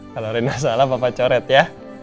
kalau rena salah papa coret ya